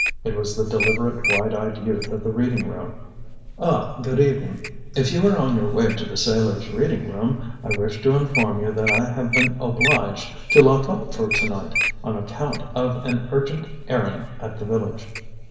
It was the deliberate, wide eyed youth of the Reading room. "Ah, good evening." "If you are on your way to the Sailors' Reading room, I wish to inform you that I have been obliged to lock up for to night, on account of an urgent errand at the village."